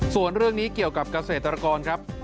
ส่วนเรื่องนี้เกี่ยวกับเกษตรกรครับ